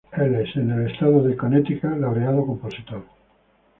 Él es el estado de Connecticut laureado compositor.